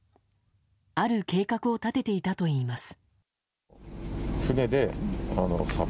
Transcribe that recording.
ある計画を立てていたといいます。